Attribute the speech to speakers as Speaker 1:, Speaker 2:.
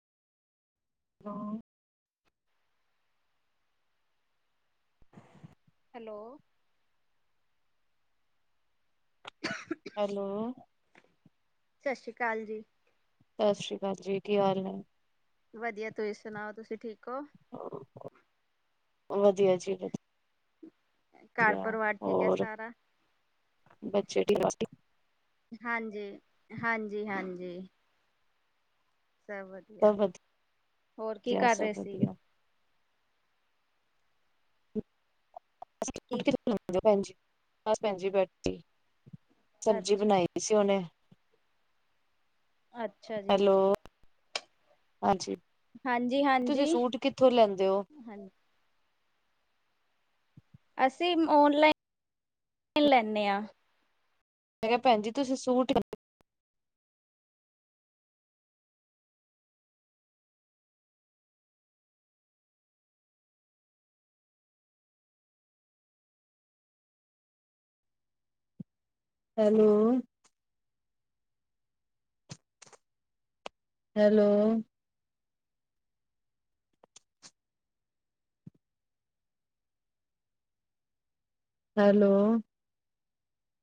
Speaker 1: ਹਾਂ
Speaker 2: hello [unintelligible]
Speaker 1: hello.
Speaker 2: ਸਤਿ ਸ਼੍ਰੀ ਅਕਾਲ ਜੀ।
Speaker 1: ਸਤਿ ਸ੍ਰੀ ਅਕਾਲ ਜੀ। ਕੀ ਹਾਲ ਨੇਂ?
Speaker 2: ਵਧੀਆ, ਤੁਸੀ ਸੁਨਾਓ ਤੁਸੀ ਠੀਕ ਹੋ?
Speaker 1: ਵਧੀਆ ਜੀ ਵਧੀ
Speaker 2: ਘਰ
Speaker 1: [unintelligible]
Speaker 2: ਪਰਿਵਾਰ ਠੀਕ ਹੈ
Speaker 1: ਹੋਰ
Speaker 2: ਸਾਰਾ
Speaker 1: [unintelligible]
Speaker 2: ਹਾਂਜੀ-ਹਾਂਜੀ-ਹਾਂਜੀ। ਸਭ ਵਧੀਆ।
Speaker 1: ਸਭ
Speaker 2: ਹੋਰ ਕੀ
Speaker 1: ਵਧੀਆ
Speaker 2: ਕਰ
Speaker 1: ਸਭ
Speaker 2: ਰਹੇ ਸੀ?
Speaker 1: ਵਧੀਆ [inaudible]
Speaker 2: ਕੀ
Speaker 1: ਬਸ ਭੈਨ ਜੀ ਰੋਟੀ ਸਬਜ਼ੀ
Speaker 2: ਅੱਛਾ
Speaker 1: ਬਨਾਈ। [unintelligible]
Speaker 2: ਅੱਛਾ ਜੀ
Speaker 1: ਹੈਲੋ ਹਾਂਜੀ,
Speaker 2: ਹਾਂਜੀ
Speaker 1: ਤੁਸੀ
Speaker 2: ਹਾਂਜੀ
Speaker 1: ਸੂਟ ਕਿੱਥੋ ਲਿਆਓਂਦੇ ਹੋ?
Speaker 2: ਹਾਂਜੀ, ਅਸੀਂ ਔਨਲਾਈਨ ਲੈਂਨੇਂ ਆਂ।
Speaker 1: ਮੈਂ ਕਿਹਾ ਭੈਨ ਜੀ ਤੁਸੀ ਸੂਟ ਹੈਲੋ! Hello hello